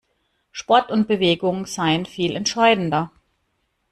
Sport und Bewegung seien viel entscheidender.